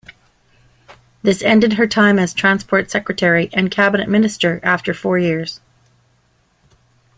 This ended her time as Transport Secretary and cabinet minister after four years.